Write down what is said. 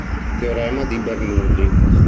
Teorema di Bernoulli